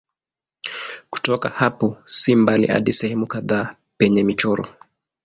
Kutoka hapo si mbali hadi sehemu kadhaa penye michoro.